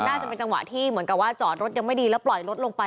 น่าจะเป็นจังหวะที่เหมือนกับว่าจอดรถยังไม่ดีแล้วปล่อยรถลงไป